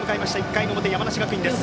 １回の表、山梨学院です。